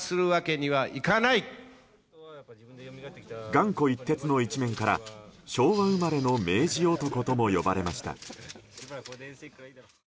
頑固一徹の一面から昭和生まれの明治男とも呼ばれました。